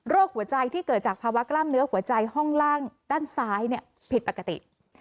หัวใจที่เกิดจากภาวะกล้ามเนื้อหัวใจห้องล่างด้านซ้ายผิดปกติ